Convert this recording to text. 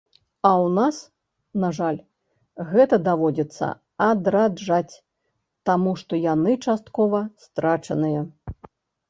А у нас, на жаль, гэта даводзіцца адраджаць, таму што яны часткова страчаныя.